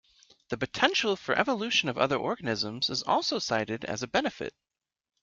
The potential for evolution of other organisms is also cited as a benefit.